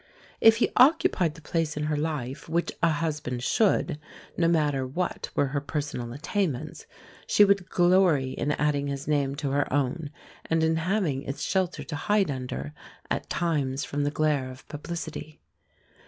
If he occupied the place in her life which a husband should, no matter what were her personal attainments, she would glory in adding his name to her own, and in having its shelter to hide under at times from the glare of publicity.